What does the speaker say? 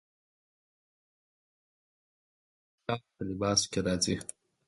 دښمن د ملګرتیا په لباس کې راځي